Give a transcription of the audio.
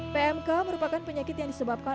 pmk merupakan penyakit yang disebabkan